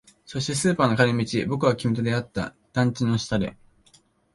そして、スーパーの帰り道、僕は君と会った。団地の下で。